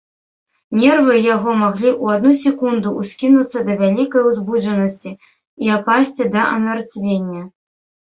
Нервы яго маглі ў адну секунду ўскінуцца да вялікай узбуджанасці і апасці да амярцвення.